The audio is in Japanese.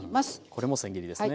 これもせん切りですね。